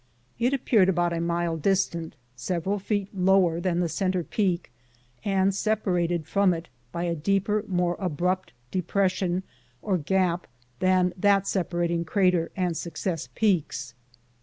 It ap peared about a mile distant, several hundred feet lower than the center peak, and separated from it by a deeper, 122 FIRST SUCCESSFUL ASCENT, 1870 more abrupt depression or gap than that separating Crater and Success peaks.